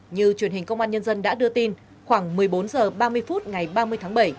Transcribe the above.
như truyền hình công an nhân dân đã đưa tin khoảng một mươi bốn h ba mươi phút ngày ba mươi tháng bảy